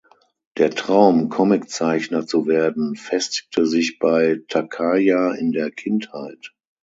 Der Traum, Comiczeichner zu werden, festigte sich bei Takaya in der Kindheit.